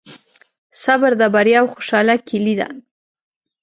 صبر د بریا او خوشحالۍ کیلي ده.